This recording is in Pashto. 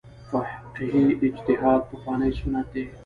فقهي اجتهاد پخوانی سنت دی.